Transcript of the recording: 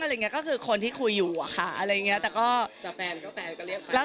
อะไรอย่างนี้ก็คือคนที่คุยอยู่ค่ะอะไรอย่างนี้